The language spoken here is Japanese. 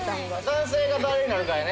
男性が誰になるかやね。